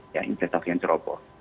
ya investasi yang ceroboh